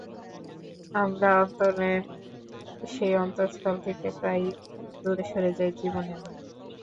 আমরা অন্তরের সেই অন্তস্তল থেকে প্রায়ই দূরে সরে যাই, জীবন এমনই।